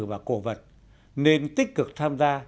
và cổ vật nên tích cực tham gia